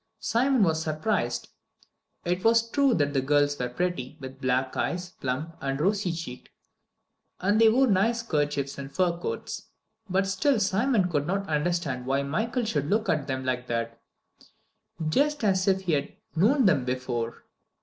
Simon was surprised. It was true the girls were pretty, with black eyes, plump, and rosy cheeked, and they wore nice kerchiefs and fur coats, but still Simon could not understand why Michael should look at them like that just as if he had known them before.